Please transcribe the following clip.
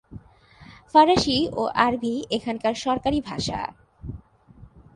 ফরাসি ও আরবি এখানকার সরকারি ভাষা।